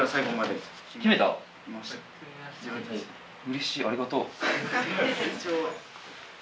うれしい、ありがとう。